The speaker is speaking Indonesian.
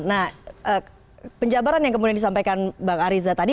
nah penjabaran yang kemudian disampaikan bang ariza tadi